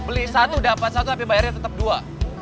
beli satu dapat satu tapi bayarnya tetap dua